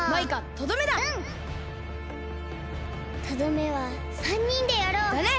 とどめは３にんでやろう！だね！